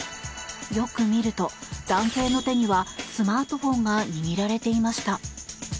よく見ると、男性の手にはスマートフォンが握られていました。